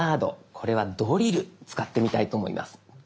これは「ドリル」使ってみたいと思います。